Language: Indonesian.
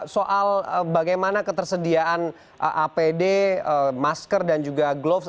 soal bagaimana ketersediaan apd masker dan juga gloves